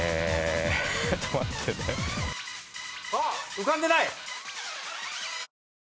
浮かんでない！